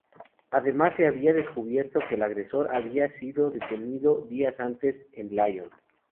Además, se había descubierto que el agresor había sido detenido días antes en Lyon.